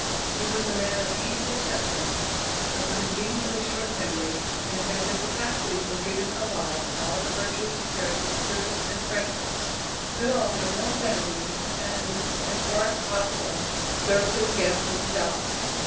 He was a man of keen perceptions, of conveniently short memory, and had the capacity for giving a lie all the virtuous appearance of truth and frankness. Goodale had no family, and, as far as possible, served his guests himself.